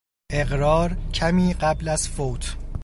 اقرار کمی قبل از فوت